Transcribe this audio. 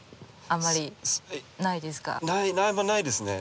あんまりないですね。